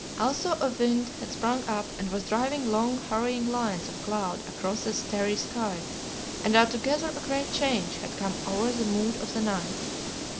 Also a wind had sprung up and was driving long hurrying lines of cloud across the starry sky, and altogether a great change had come over the mood of the night.